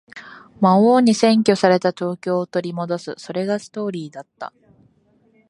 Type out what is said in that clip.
魔王に占拠された東京を取り戻す。それがストーリーだった。